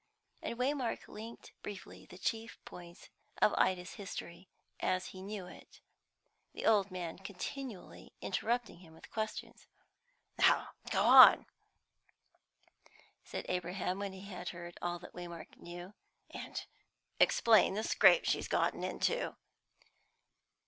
And Waymark linked briefly the chief points of Ida's history, as he knew it, the old man continually interrupting him with questions. "Now go on," said Abraham, when he had heard all that Waymark knew, "and explain the scrape she's got into."